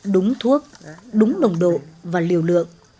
đúng thuốc đúng nồng độ và liều lượng